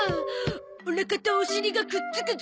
おなかとお尻がくっつくゾ。